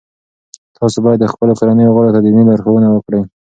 تاسو باید د خپلو کورنیو غړو ته دیني لارښوونه وکړئ.